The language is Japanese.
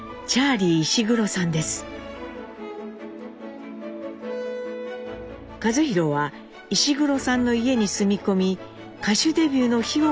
一寛は石黒さんの家に住み込み歌手デビューの日を待ちます。